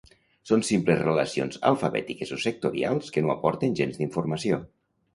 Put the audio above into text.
Són simples relacions alfabètiques o sectorials que no aporten gens d'informació